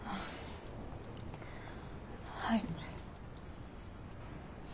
はい。